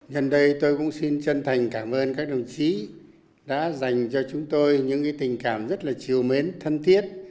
nhân đây tôi cũng xin chân thành cảm ơn các đồng chí đã dành cho chúng tôi những tình cảm rất là chiều mến thân thiết